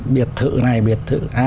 biệt thự này biệt thự a